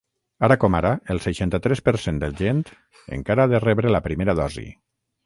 Ara com ara, el seixanta-tres per cent de gent encara ha de rebre la primera dosi.